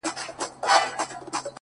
• پلار دی راغی لکه پړانګ وو خښمېدلی ,